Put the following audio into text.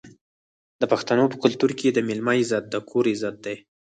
د پښتنو په کلتور کې د میلمه عزت د کور عزت دی.